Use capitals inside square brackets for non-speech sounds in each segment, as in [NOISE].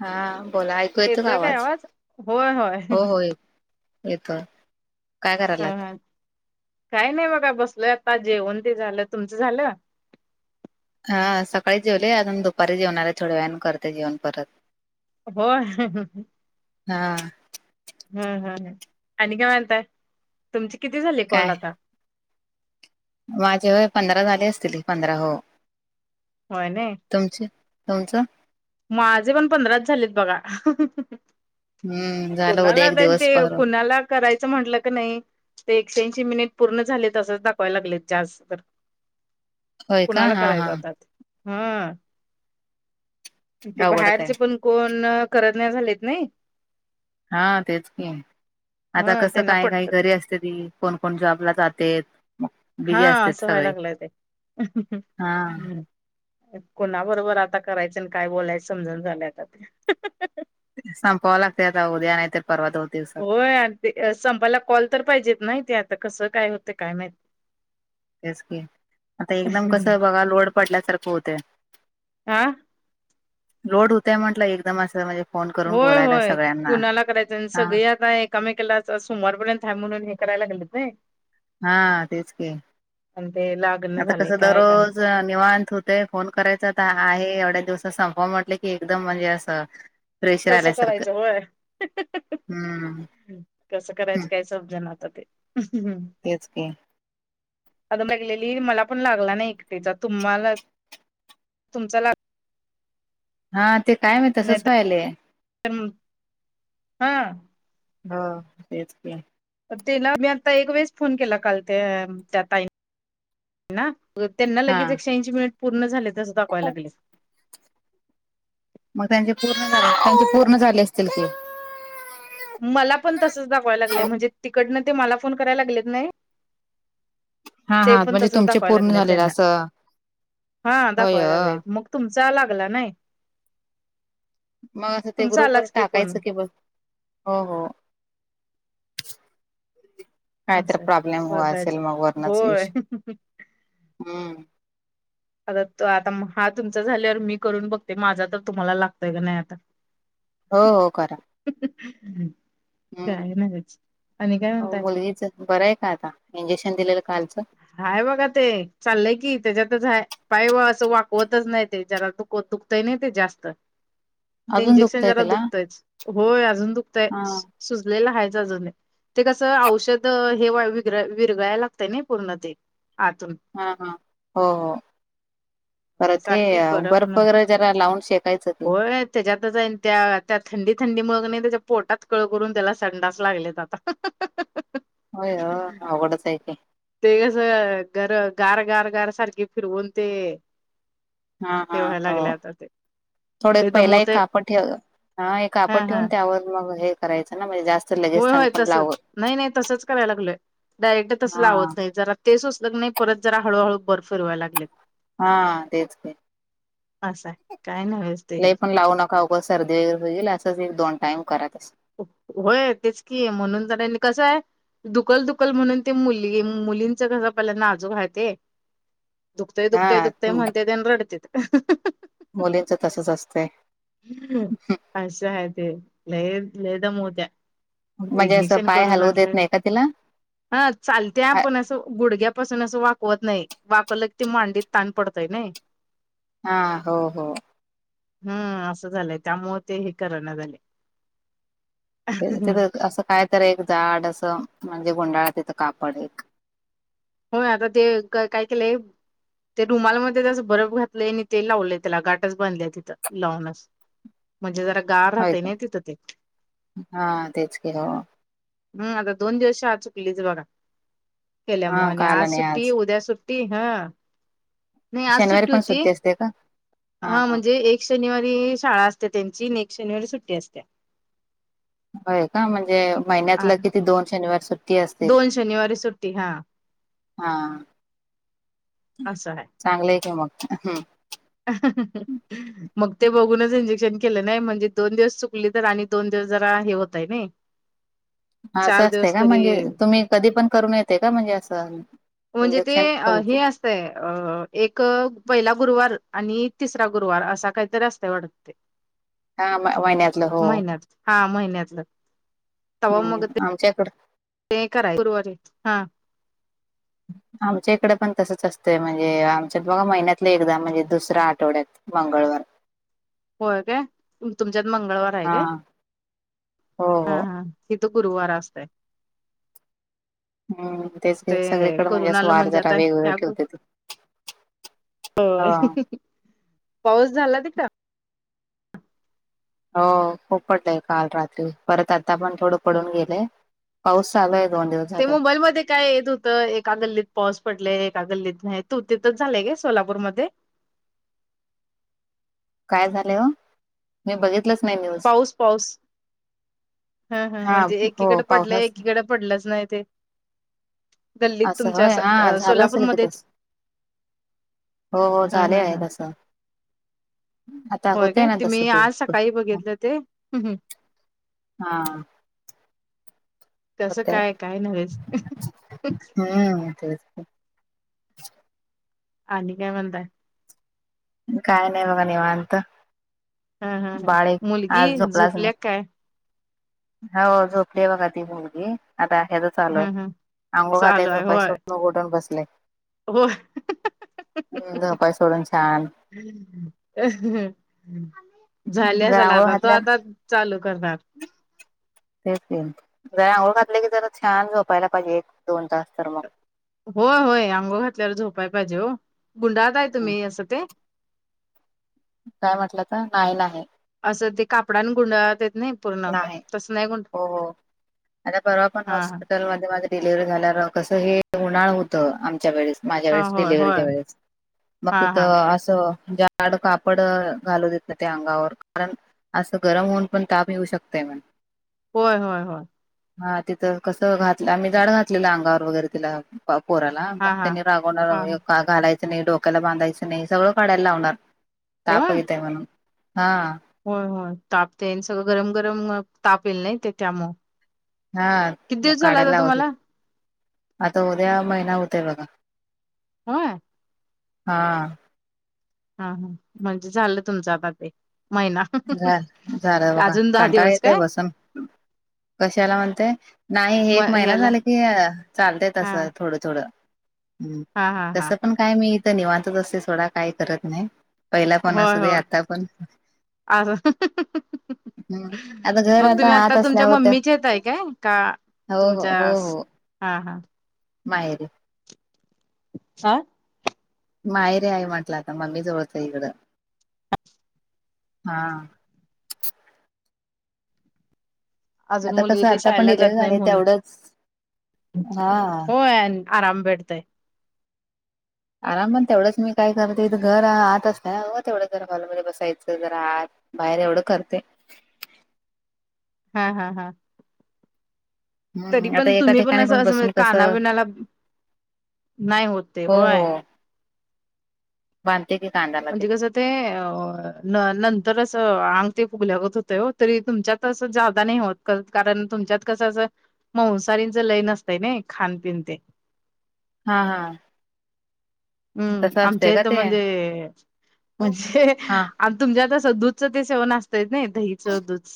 हा बोला ऐकू येतो का येतोय काय आवाज होय होय हो हो ये येतोय काय हा करायलात? हा काही नाही बघा बसलं आता जेवन ते झालं तुमचं झालं? हा सकाळी जेवले अजून दुपारी जेवणार थोड्या वेने करते जेवण परत- [UNINTELLIGIBLE] हा हम् हम् आणि काय म्हणताय तुमची किती झाले कॉल काय आता? माझे वय पंधरा झाले असतील पंधरा हो. होय नाही तुमचे तुमचं? माझे पण पंधराच झालेत बघा! हम्म झालं उद्या कोणाला एक त्यांचे दिवस पर कुणाला करायचं म्हटलं क नाही ते एकशेऐंशी मिनिट पूर्ण झाले तसंच दाखवायला लागले जास् तर होय का कुणाला हा हा करायचातात हा? ते अवघडच आहे बाहेरचे पण कोण करत नाही झालेत नाही हा तेच नाही आहे आता ह कसं त्यांना काय काही पटत घरी असते. तरी कोणकोण जॉबला जातेत मग हा बिजी असतेत असं व्हाय सगळे लागलंय ते हा कोुणा बरोबर आता करायचंआणि काय बोलायचं समजना झालं आता ते संपवावं लागतयात उद्या नाहीतर पर्वा होत होय आणि ते संपाला कॉल तर पाहिजेत नाही ते आता कसं काय होते काय माहिती. तेच की आता एकदम कस बघा लोड पडल्यासारखं होत. हा लोड होतय म्हटलंय एकदम असं म्हणजे फोन करून होय बोलायला होय सगळ्यांना कुणाला करायचं आणि हा सगळी आता एक एकमेकाला सोमवारपर्यंत ह म्हणून हे करायला लागलेत नाही. हा तेच क आणि ते लागण आता झाले कसं काय काय दररोज निवांत होत. फोन करायचा तर आहे एवढ्या दिवसात संप म्हटलं की एकदम म्हणजे असं प्रेशर कसं आल्यासारखं करायचं होय हम्म कसं करायचं हं, काय [UNINTELLIGIBLE] तेच की अून लागलेली मला पण लागला नाही एकटीचा तुम्हाला तुमचा ला हा ते काय म नाही तसच तर वहिलेय हा. हा तेच तला मी आता एक वेळेस फोन केला काल ते त्या ताई ना. त्यांना हा लगेच एक एकशे ऐंशी मिनिट पूर्ण झाले तसं दाखवाय लाग मग त्यांचे पूर्ण झा त्यांचे पूर्ण झाले असतील की मला पण तसच दाखवायला लागले म्हणजे तिकडनं ते मला फोन करायला लागले का नाय हा ते हा पण म्हणजे तस तुमचे दाखवायला पूर्ण लागले झालेलं त्यांना असं हा होय दाखवाय लागले मग तुमचा लागला नाही. मग असं ते बरोबर तुमचा ग्रुप वर आलाच फोन टाकायचं की बघ. हो हो काय तर असं प्रॉब्लेम हो असेल बघायचं मग वर्णच होय हम्म. आता आता हा तुमचा झालेवर मी करून बघते माझा तर तुम्हाला लागतय का नाही आता. [INAUDIBLE] हो हो करा. हम्म काय नव्हेच आणि काय हो म्हणताय. मुलगीच बरं आहे का आता इंजेक्शन दिलेलं कालचं हाय बघा ते चाललंय की त्याच्यातच हाय पाय व असं वाकवतच नाही ते जरा दुखवत दुखतय नाही ते जास्त. ते अजून इंजेक्शन दुखतंय जरा तिला दुखतंयच होय अजून दुखतय हा सुजलेलं हायच अजूने ते कसं औषध हे विगर विरगळायला लागतंय नाही. पूर्ण ते आतून. हा हा हो हो. ते परत हे सारखी बरफ बर्फ न वगैरे जरा लावून शेकायचं ते होय त्याच्यातच हाय आणि त्या त्या थंडी थंडी मुळ क नाही त्याच्या पोटात कळ करून त्याला संडास लागलेत आता. [UNINTELLIGIBLE] होय ओ अवघडच आहे की ते कसं गर गार गार गार सारखे फिरवून ते हा हा हे व्हायला हो लागलय आता ते थोडं लय पहिला एक दमवतय कापड ठेव हा हे कापड ठेवून त्यावर मग हे करायचंय ना म्हणजे जास्त लगेच होय थंड होय पण लाव तसच नाही नाही तसच करायला लागलोय डायरेक्ट तस हा लावत नाही जरा ते सुचल क नाही परत जरा हळूहळू बर्फ फिरवायला लागल्यात हा तेच ते असं आहे. काय नव्हेच ते हे लई पण लावू नका. का उगच सर्दी वगैरे होईल असच एक दोन टाइम करत अस. होय तेच कि म्हणून ज कसाय दुकल दुकल म्हणून ते मुलगी मुलींच कस पहिला नाजूक हाय ते. दुखतय दुखतय हा दुखतय म्हणत्यात आणि रडत्यात. मुलींचं तसच असतंय हम अशा आहे ते ल लई दमवत्या. म्हणजे असं इंजेक्शन पाय करून हलवू देत आणलय. नाही का तिला? हा चालत्या हा पण असं गुडघ्यापासून असं वाकवत नाही. वाकवल की ते मांडीत ताण पडतय नाही. हा हो हो. हम्म असं झालंय त्यामुळे ते हे करना झाल्या. तिथं असं काय तर एक जाड असं म्हणजे गुंडाळा तिथं कापड एक. होय आता ते काय केलंय - - ते रुमालमध्ये जसं बरफ घातलेय आणि ते लावले त्याला गाठच बांधल्या तिथं लावून अस. म्हणजे जरा गार होय राहतय का? ना तिथं ते. हा तेच की हो. हम आता दोन दिवस शाळा चुकलीच बघा. मग हा आणि का आला आज नाही सुट्टी उद्या सुट्टी हं. नाही आज शनिवारी सुट्टी पण होती असते का? हा म्हणजे एक एक शनिवारी शाळा असते त्यांची आणि एक शनिवारी सुट्टी असत्या. होय का म्हणजे हा महिन्यातलं किती दोन शनिवार सुट्टी. टी असतेल दोन शनिवारी सुट्टी हा हा. असं आहे. चांगलय की मग हम. [UNINTELLIGIBLE] मग ते बघूनच इंजेक्शन केलं नाही म्हणजे दोन दिवस चुकली तर आणि दोन दिवस जरा हे होतय नाही. [INAUDIBLE] हा चार असं असते दिवस का तरी म्हणजे तुम्ही कधी पण करून येते का म्हणजे असं. म्हणजे ते इंजेक्शन तुमची. हे अ एक पहिला गुरुवार आणि तिसरा गुरुवार असा काहीतरी असतय वाटतय. हा म- महिन्यातलं हो. महिन्यात हा महिन्यातलं तवा मग ते आमच्याकड ते कराय गुरुवारी हा! आमच्या इकडं पण तसच असतंय, म्हणजे आमच्यात बघा महिन्यातलं एकदा म्हणजे दुसऱ्या आठवड्यात. मंगळवार. [INAUDIBLE] होय का तुमच्यात मंगळवार आहे हा का, हो हा हो हा! तिथं गुरुवार असतय. हम्म तेच की ते सगळीकडे म्हणजे असं करुणाला वार म्हनज्यात जरा काय वेगवेगळे आग. ठेवते ते ह होय पाऊस झाला [UNINTELLIGIBLE] हो खूप पडलंय काल रात्री, परत आता पण थोडं पडून गेलय. पाऊस आलाय दोन दिव ते मोबाईल मध्ये काय येत होतं एका गल्लीत पाऊस पडलय, एका गल्लीत नाही, तू तिथच झालंय का सोलापूरमध्ये. काय झाले हो मी बघित नाही [UNINTELLIGIBLE] पाऊस, पाऊस. हा हा म्हणजे हो एकीकड पडलंय, पावसाच एकीकड पडलंच नाही ते. गल्लीत असं तुमच्या होय हा अस झालं सोलापूर असेल की मध्येच. तस हो हो झाले आहे तसं. आता होय होतय काय ना तस मी ते. आज सकाळी बघितलं ते हं, हं. हा! कसं होतय काय, काय नव्हेच. हं तर आनि काय म्हणताय? काय नाही बघा निवांत. हा हा हा बाळ एक मुलगी आज झोपल्या काय? हाव झोपली य बगा ती मुलगी आता ह्याचच हूं हूं चालू आहेय होय सोडून उघडून बसले हो! झोपाय सोडून छान [UNINTELLIGIBLE] झाले जर असल आंघोळ आता, तो घातल्या आता चालू करणार. तेच तेन लय आंघोळ घातली की जरा छान झोपायला पाहिजे दोन तास तर म. होय, होय अंघोळ घातल्यावर झोपाय पाहिजे हो गुंडाळताय तुम्ही असं ते? काय म्हटलं त नाही, नाही. असं ते कापडांने गुंडाळतेत नही. नाही हो, हो आता परवा पण हा हा हॉस्पिटल मधे माझे डिलिव्हरी झाल्या र कसं हे उन्हाळ होतं, आमच्या वेळेस माझ्या हा वेळेस, होय डिलिवरीच्या होय वेळेस मग हा हा तिथं असं. जाड कापड घालू देत नही ते अंगावर, कारण असं गरम होऊन पण ताप मियू शकतय मन. होय, होय, होय. हा तिथं कसं घातलं, आम्ही जाड घातलेलं अंगावर वगैरे तिला. पोराला हा मग हा तेनी हा रागवणार हा एक कार घालायचं नही, डोक्याला बांधायचं नही, सगळं काढायला लावणार ताप होय येतय म्हणून. हा! होय, होय, तापते सगळं गरम, गरम, मं ताप येल नही ते त्यामु हा काढायलावत तुम्हाला होते, आता उद्या महिना होतय बघा. [UNINTELLIGIBLE] हा! हा हा म्हणजे झालं तुमच आता ते महिना. झा झालं बघा अजून दहा कंटाळा दिवस येतय काय बसून, कशाला म्हणतय? नाही म एक महिना ह्याला झाला की, चालतय हा तसं थोडं थोडं हम्म हा हा हा तसं पण काय मी इथं निवांतच असते, सोडा काय करत नाही. पहिला पण असू दे आता पण अ [UNINTELLIGIBLE] आता घर मग तुम्ही आता आत तुमच्या असल्यावर मम्मीच्या इथ हाय काय? का? हो हो हो तुमच्या अस हो हा हा. माहेरी. हा. माहेरी आहे म्हटलं आता, मम्मी जवळच आहे इकडं हा. हा. अजून आता मुली कसं ते आता पण शाळेला डिलेर जात नाही झाले म्हणून तेवढंच हा होय आणि आराम भेटतय. आराम पण तेवढंच मी काय करते, इथ घर आत असतय ना हो तेवढं जरा हॉलमध्ये बसायचं, जरा आत बाहेर एवढं करतय. हा हा हा. तरी हम्म आता पण एका तुम्ही पण ठिकाणी असं असं, म्हणज बसून काना कसं बिनाला नाही होत ते हो हो होय. बांधते की कानाला तेन म्हणजे कसं ते अ. न नंतर असं आंग ते फुगल्यागत होतय, हो तरी तुमच्यात असं ज्यादा नाही होत. कारण तुमच्यात कसं अस मावसारीच लई नसतय ना खाानपिन ते हा हा. हम्म तसं आमच्या असतंय का इथं ते म्हणजे म्हणजे हा आ तुमच्यात अस दूधचं ते सेवन असतयच नाही दहीच दूधच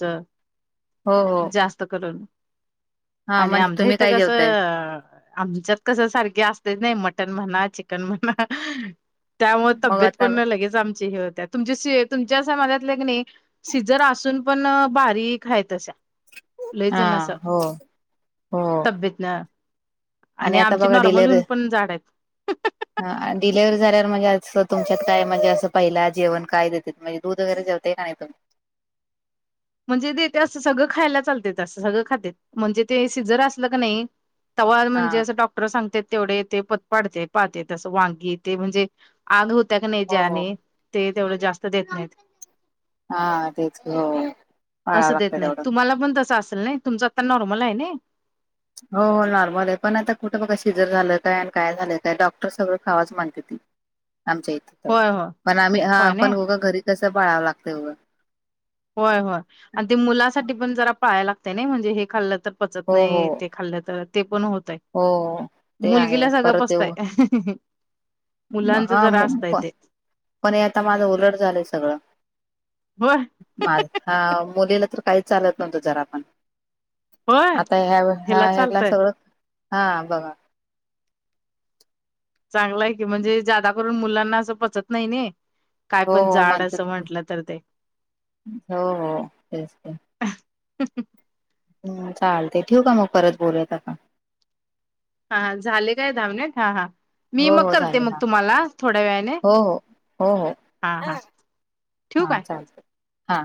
हो हो जास्त करून हा आणि म्हणजे आमच्या तुम्ही इथ काय कसं? जेवताय आमच्यात कस सारखे असतयच नाही मटन म्हणा, चिकन म्हणा त्यामुळे मग तब्येत आता पणं लगेच आमची हे होतिया, तुमची सी तुमच्या अन् माझ्यात कणी सिझर असून पण बारीक हाय तशा लई हा जन अस हो हो तब्येत न आणि आमची नॉर्मल होऊन पण जाड आहेत. ह डिलिव्हरी झाल्यावर म्हणजे असं तुमच्यात काय? म्हणजे असं पहिला जेवन काय देतेत म्हणजे दूध वगैरे ते नाय एवढं. म्हणजे देते असं सगळं खायला चालतय असं, सगळं खातेत म्हणजे ते सिजर असलं का नाही? तवा हा म्हणजे असं डॉक्टर सांगतेत तेवढे, ते पथ पाडते पाळते तसं वांगी ते म्हणजे आग होतिया का नाही? हो हो ज्याने ते तेवढं जास्त देत नाहीत. हा तेच की होय. असं देत नाहीत तुम्हाला पण तसं असेल नाही, तुमचं आता नॉर्मल हाय नाई हो नॉर्मल आहे, पण आता कुठं बघा शिजर झालं काय आणि काय झालं काय? डॉक्टर सगळं खावाच म्हणते त आमच्या इथ तर होय होय पण आम्ही हा, होय पण नाही उग घरी कसं पाळावं लागतय गं. होय होय आणि ते मुलासाठी पण, जरा पाळायला लागतय, नाही म्हणजे हे खाल्लं तर पचत हो हो नाही ते खाल्ल् तर ते पण होतय हो ते आहे मुलगीला सगळं परत पचतय. येऊ मुलांच हा जरा असतय प ते पण हे आता माझं उलट झालंय सगळं. व्हय. माझ हा मुलीला तर काही चालत नव्हतं जरा पणं होय आता ह्या वेळे हा ह्याला सगळं हा बघा. चांगल हाय की, म्हणजे जादा करून मुलांना असं पचत नाही नी काय हो पण हो जाड म्हणते असं म्हंटलं तर ते हो हो तेच ते अ [UNINTELLIGIBLE] हम्म चालते ठेव का मग परत बोलूया आता का? हा झाले काय दहा मिनिट हा हा. मी हो मग हो करते चालेल मग हा तुम्हाला थोड्या वेळाने हो हो हो हो हा हा.. ठेवू हा काय चालत्य हा.